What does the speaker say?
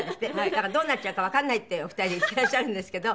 だからどうなっちゃうかわかんないってお二人言っていらっしゃるんですけど。